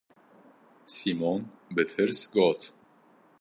Sîmon bi tirs got: